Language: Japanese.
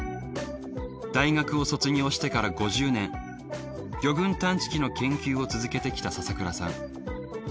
大学を卒業してから５０年魚群探知機の研究を続けてきた笹倉さん。